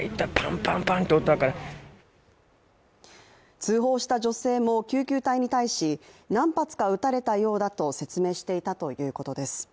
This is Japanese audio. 通報した女性も救急隊に対し、何発か撃たれたようだと説明していたということです。